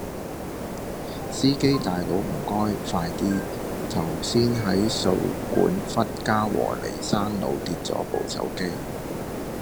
司機大佬唔該快啲，頭先喺掃管笏嘉和里山路跌左部手機